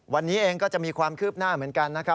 วันนี้เองก็จะมีความคืบหน้าเหมือนกันนะครับ